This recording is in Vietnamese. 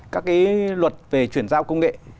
các cái luật về chuyển giao công nghệ